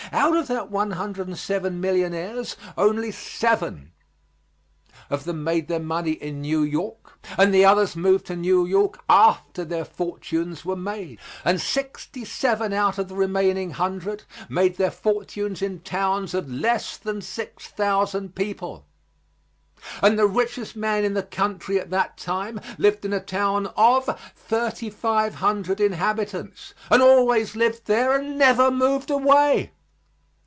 Out of that one hundred and seven millionaires only seven of them made their money in New York, and the others moved to New York after their fortunes were made, and sixty seven out of the remaining hundred made their fortunes in towns of less than six thousand people, and the richest man in the country at that time lived in a town of thirty five hundred inhabitants, and always lived there and never moved away.